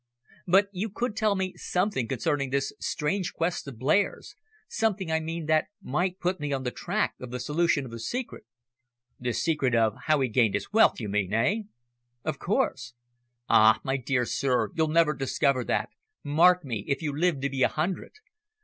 "But you could tell me something concerning this strange quest of Blair's something, I mean, that might put me on the track of the solution of the secret." "The secret of how he gained his wealth, you mean, eh?" "Of course." "Ah, my dear sir, you'll never discover that mark me if you live to be a hundred.